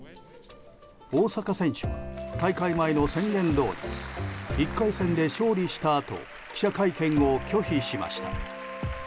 大坂選手は大会前の宣言どおり１回戦で勝利したあと記者会見を拒否しました。